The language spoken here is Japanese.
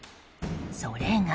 それが。